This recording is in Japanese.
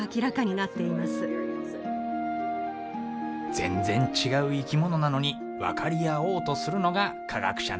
全然違う生き物なのに分かり合おうとするのが科学者なんだね。